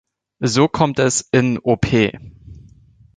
So kommt es in op.